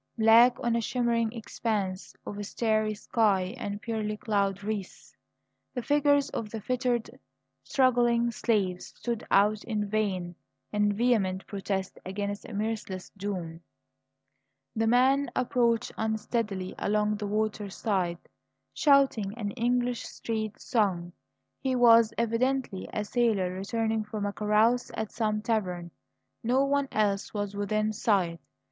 Black on a shimmering expanse of starry sky and pearly cloud wreaths, the figures of the fettered, struggling slaves stood out in vain and vehement protest against a merciless doom. The man approached unsteadily along the water side, shouting an English street song. He was evidently a sailor returning from a carouse at some tavern. No one else was within sight.